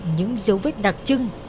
những dấu vết đặc trưng